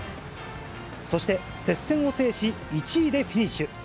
そして、接戦を制し、１位でフィニッシュ。